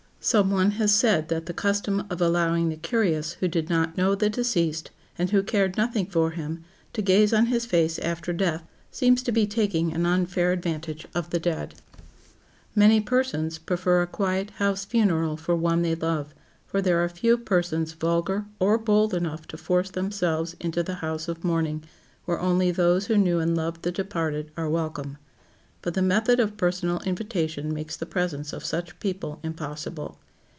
Some one has said that the custom of allowing the curious who did not know the deceased, and who cared nothing for him, to gaze on his face after death, seems to be taking an unfair advantage of the dead. Many persons prefer a quiet house funeral for one they love, for there are few persons vulgar or bold enough to force themselves into the house of mourning, where only those who knew and loved the departed are welcome. But the method of personal invitation makes the presence of such people impossible.